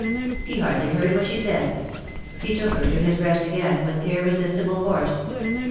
He hardly heard what she said. He took her to his breast again with irresistible force.